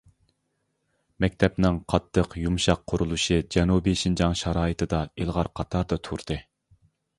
مەكتەپنىڭ قاتتىق-يۇمشاق قۇرۇلۇشى جەنۇبىي شىنجاڭ شارائىتىدا ئىلغار قاتاردا تۇردى.